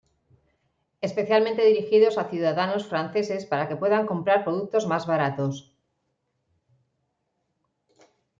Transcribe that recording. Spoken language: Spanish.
Especialmente dirigidos a ciudadanos franceses para que puedan comprar productos más baratos.